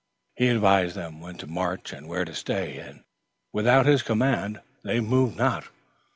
He advised them when to march and where to stay, and, without his command, they moved not.